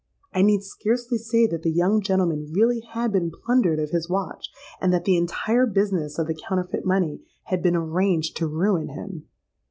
I need scarcely say that the young gentleman really had been plundered of his watch, and that the entire business of the counterfeit money had been arranged to ruin him.